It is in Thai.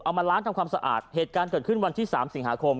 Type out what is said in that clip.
มาล้างทำความสะอาดเหตุการณ์เกิดขึ้นวันที่สามสิงหาคม